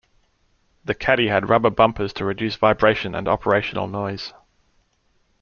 The caddy had rubber bumpers to reduce vibration and operational noise.